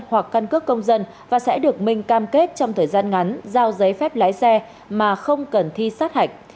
hoặc căn cước công dân và sẽ được minh cam kết trong thời gian ngắn giao giấy phép lái xe mà không cần thi sát hạch